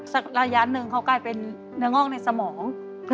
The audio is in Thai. ระยะหนึ่งเขากลายเป็นเนื้องอกในสมอง